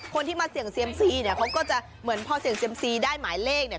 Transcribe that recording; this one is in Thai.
คนที่มาเสี่ยงเซียมซีเนี่ยเขาก็จะเหมือนพอเสี่ยงเซียมซีได้หมายเลขเนี่ย